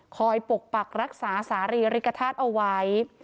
ปกปักรักษาสารีริกฐาตุเอาไว้